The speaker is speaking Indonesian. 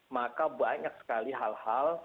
maka banyak sekali hal hal